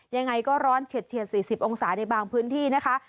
ยังไงก็ร้อนเฉียดเฉียดสี่สิบองศาในบางพื้นที่นะคะ